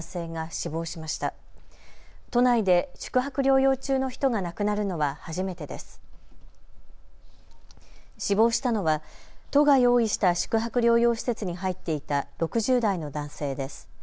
死亡したのは都が用意した宿泊療養施設に入っていた６０代の男性です。